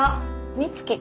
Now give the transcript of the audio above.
美月。